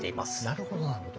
なるほどなるほど。